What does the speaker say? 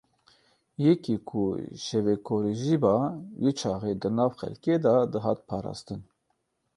Yekî ku şevekorî jî ba, wî çaxî di nav xelkê de dihat parastin.